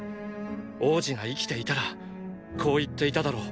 王子が生きていたらこう言っていただろう。